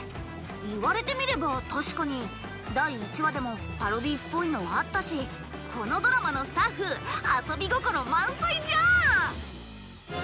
言われてみれば確かに第１話でもパロディーっぽいのあったしこのドラマのスタッフ遊び心満載じゃん！